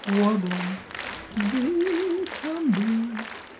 (Warbling.) Big comebig!